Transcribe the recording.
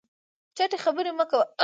چټي خبري مه کوه !